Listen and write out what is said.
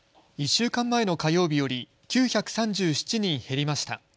１週間前の火曜日より９３７人減りました。